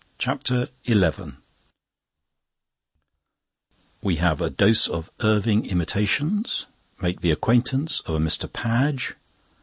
CHAPTER XI We have a dose of Irving imitations. Make the acquaintance of a Mr. Padge.